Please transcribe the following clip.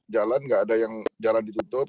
jalan nggak ada yang jalan ditutup